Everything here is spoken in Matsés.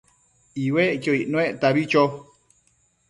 iuecquio icnuectabi cho